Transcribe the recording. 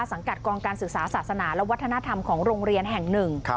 สังกัดกองการศึกษาศาสนาและวัฒนธรรมของโรงเรียนแห่งหนึ่ง